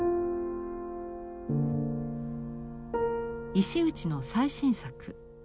石内の最新作。